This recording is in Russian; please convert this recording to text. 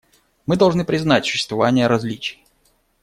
Мы должны признать существование различий.